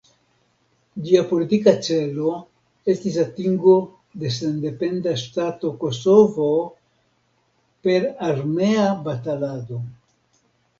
Ĝia politika celo estis atingo de sendependa ŝtato Kosovo per armea batalado.